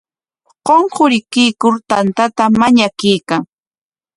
Qunqurikuykur tantata mañakuykan.